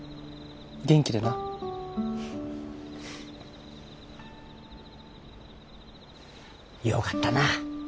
元気でな。よかったなぁ。